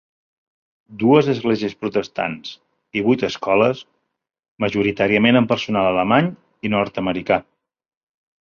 Dues esglésies protestants i vuit escoles, majoritàriament amb personal alemany i nord-americà.